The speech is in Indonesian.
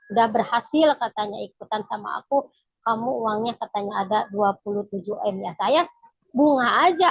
udah berhasil katanya ikutan sama aku kamu uangnya katanya ada dua puluh tujuh m ya saya bunga aja